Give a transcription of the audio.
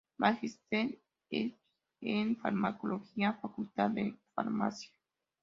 Magister Scientiarum en Farmacología, Facultad de Farmacia.